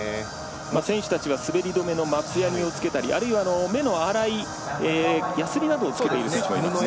選手たちは滑り止めの松やにをつけたり目の粗いやすりなどを抜けていたりしますね。